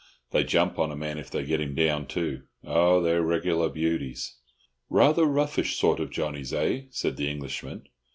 They jump on a man if they get him down, too. Oh, they're regular beauties." "Rather roughish sort of Johnnies, eh?" said the Englishman.